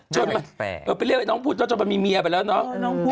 เจ้าเค้าไปเรียกน้องพุทธเจ้าจอดไปมีเมียไปแล้วเนอะ